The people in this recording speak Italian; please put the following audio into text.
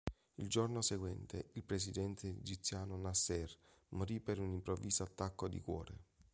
Il giorno seguente il presidente egiziano Nasser morì per un improvviso attacco di cuore.